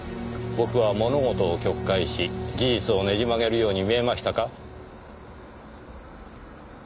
僕は物事を曲解し事実をねじ曲げるように見えましたか？